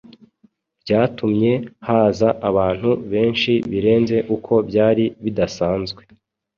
byatumye haza abantu benshi birenze uko byari bidasanzwe.